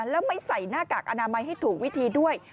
แล้วไม่ใส่หน้ากากอนามัยให้ถูกวิธีด้วย